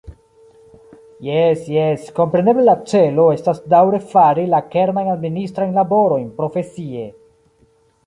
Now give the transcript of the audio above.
Jes, jes, kompreneble la celo estas daŭre fari la kernajn administrajn laborojn profesie.